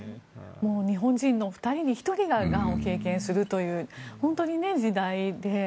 日本人の２人に１人ががんを経験するという本当に、時代で。